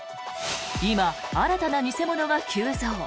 今、新たな偽物が急増。